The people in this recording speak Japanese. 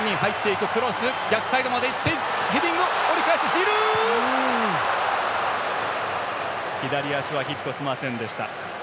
ジルー左足はヒットしませんでした。